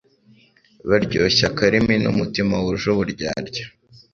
baryoshya akarimi n’umutima wuje uburyarya